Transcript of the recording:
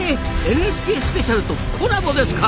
「ＮＨＫスペシャル」とコラボですか！